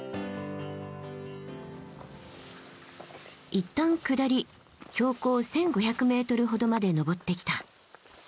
一旦下り標高１，５００ｍほどまで登ってきた。